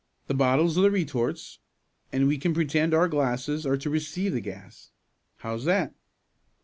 The bottles are the retorts, and we can pretend our glasses are to receive the gas. How's that?"